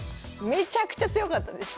めちゃくちゃ強かったです。